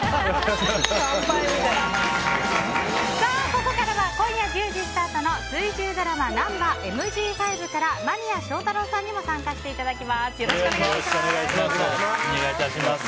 ここからは今夜１０時スタートの水１０ドラマ「ナンバＭＧ５」から間宮祥太朗さんにも参加していただきます。